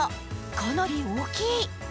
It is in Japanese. かなり大きい！